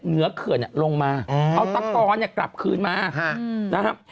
เหนือเคือนลงมาเอาตะกอนกลับคืนมานะครับ